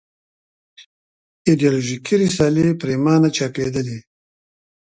ایدیالوژیکې رسالې پرېمانه چاپېدلې.